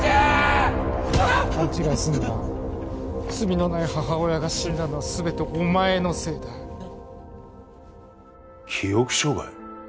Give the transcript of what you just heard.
勘違いすんな罪のない母親が死んだのは全てお前のせいだ記憶障害？